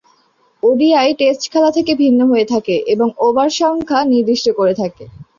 ODI test খেলা থেকে ভিন্ন হয়ে থাকে এবং ওভার সংখ্যা নির্দিষ্ট করা থাকে।